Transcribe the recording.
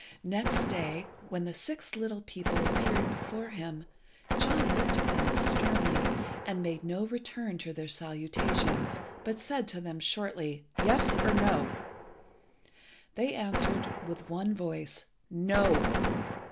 Next day, when the six little people appeared before him, John looked at them sternly, and made no return to their salutations, but said to them shortly "Yes, or No?" They answered, with one voice, "No."